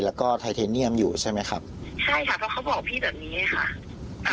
แล้วก็ไทเทเนียมอยู่ใช่ไหมครับใช่ค่ะเพราะเขาบอกพี่แบบนี้ค่ะอ่า